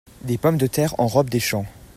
Des pommes de terres en robe des champs.